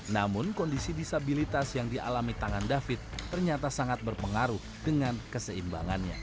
namun kondisi disabilitas yang dialami tangan david ternyata sangat berpengaruh dengan keseimbangannya